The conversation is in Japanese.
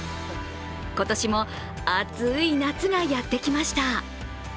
今年も熱い夏がやってきました。